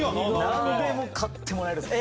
何でも買ってもらえるんですよ。